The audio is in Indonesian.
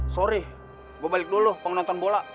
sorry gue balik dulu pengen nonton bola